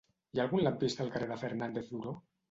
Hi ha algun lampista al carrer de Fernández Duró?